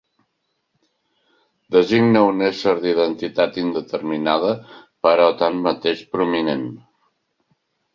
Designa un ésser d'identitat indeterminada però, tanmateix, prominent.